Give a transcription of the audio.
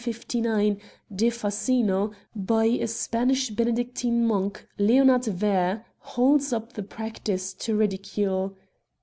^ Fascino^ by a Spanish Benedictine monk, Leonard Vair, holds up the practice to ridicule.